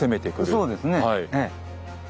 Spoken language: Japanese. そうですねええ。